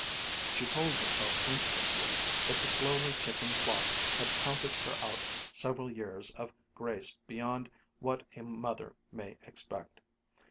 She told herself instantly that the slowly ticking clock had counted her out several years of grace beyond what a mother may expect.